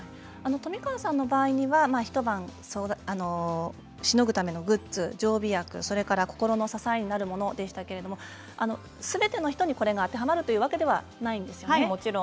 冨川さんの場合には一晩しのぐためのグッズ常備薬、心の支えになるものでしたけれどもすべての人にこれが当てはまるというわけではないんですよね。